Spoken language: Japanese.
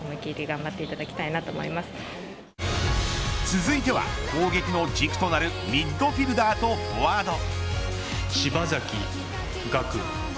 続いては、攻撃の軸となるミッドフィルダーとフォワード。